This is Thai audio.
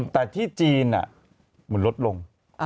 แต่ที่จีนมันลดลง